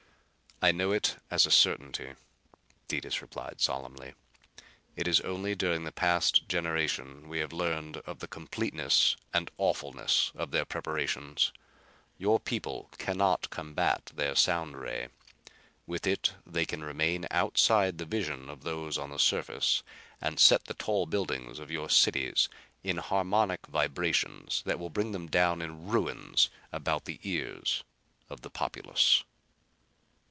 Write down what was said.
"I know it as a certainty," Detis replied solemnly. "It is only during the past generation we have learned of the completeness and awfulness of their preparations. Your people can not combat their sound ray. With it they can remain outside the vision of those on the surface and set the tall buildings of your cities in harmonic vibrations that will bring them down in ruins about the ears of the populace."